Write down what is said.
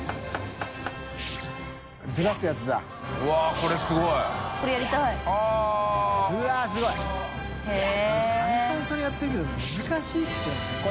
これ簡単そうにやってるけど難しいですよね。